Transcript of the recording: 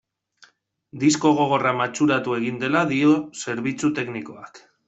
Disko gogorra matxuratu egin dela dio zerbitzu teknikoak.